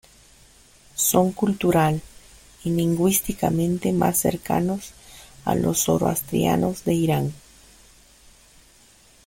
Son cultural y lingüísticamente más cercanos a los zoroastrianos de Irán.